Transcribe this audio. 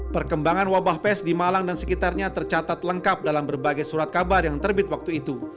perkembangan wabah pes di malang dan sekitarnya tercatat lengkap dalam berbagai surat kabar yang terbit waktu itu